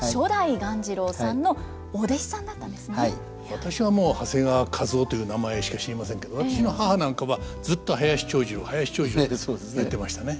私はもう長谷川一夫という名前しか知りませんけど私の母なんかはずっと「林長二郎林長二郎」って言ってましたね。